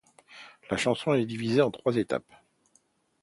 La chanson est divisée en trois étapes.